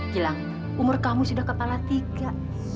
hilang umur kamu sudah kepala tiga